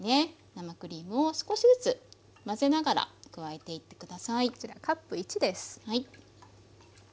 生クリームを少しずつ混ぜながら加えていって下さい。